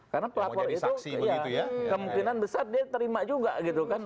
karena pelapor itu kemungkinan besar dia terima juga gitu kan